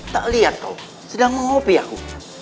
tak liat kau sedang mengopi aku